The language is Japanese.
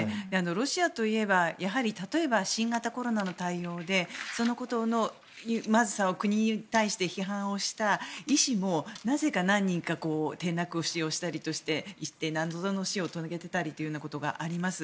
ロシアといえば例えば、新型コロナの対応でそのことのまずさを国に対して批判をした医師もなぜか何人か転落死したりして謎の死を遂げたということがあります。